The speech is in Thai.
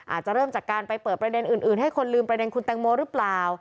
อาจจะเริ่มจากการไปเปิดประเด็นอื่นให้คนลืมประเด็นคุณแตงโมหรือเปล่า